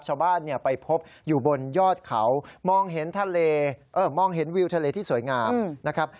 ชาวบ้านไปพบอยู่บนยอดเขามองเห็นวิวทะเลที่สวยงามนะครับ